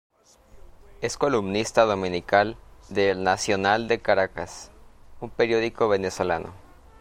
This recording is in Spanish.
Es columnista dominical de El Nacional de Caracas, un periódico venezolano.